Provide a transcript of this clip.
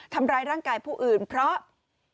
ทำร้ายร่างกายผู้อื่นเพราะ